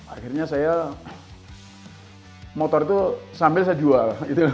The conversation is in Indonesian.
akhirnya saya motor itu sambil saya jual